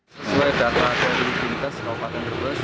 sesuai data dari bintas kabupaten terbes